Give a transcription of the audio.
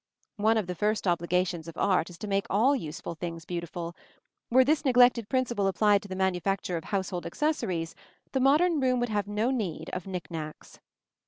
One of the first obligations of art is to make all useful things beautiful: were this neglected principle applied to the manufacture of household accessories, the modern room would have no need of knick knacks.